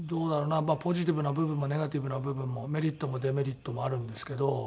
ポジティブな部分もネガティブな部分もメリットもデメリットもあるんですけど。